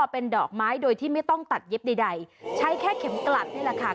เป็นดอกไม้โดยที่ไม่ต้องตัดเย็บใดใช้แค่เข็มกลัดนี่แหละค่ะ